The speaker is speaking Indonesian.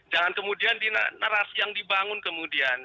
jangan kemudian di narasi yang dibangun kemudian